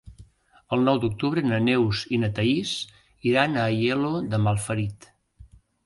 El nou d'octubre na Neus i na Thaís iran a Aielo de Malferit.